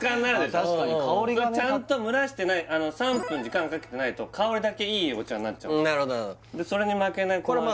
確かに香りがねちゃんと蒸らしてない３分時間かけてないと香りだけいいお茶になっちゃうでそれに負けないこの味